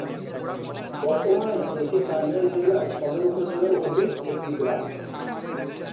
বর্তমানে এটি টাঙ্গাইল জেলার সদর উপজেলার অধীন একটি গ্রাম।